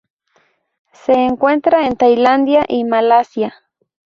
Se encuentra en Tailandia y Malasia.